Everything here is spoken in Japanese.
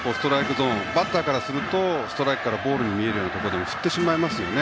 バッターからするとストライクからボールに見えるところでも振ってしまいますよね。